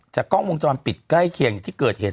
กล้องวงจรปิดใกล้เคียงที่เกิดเหตุ